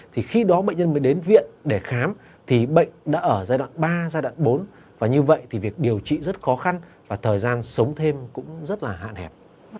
thì khi đó bệnh nhân mới đến viện để khám thì bệnh đã ở giai đoạn ba giai đoạn bốn và như vậy thì việc điều trị rất khó khăn và thời gian sống thêm cũng rất là hạn hẹp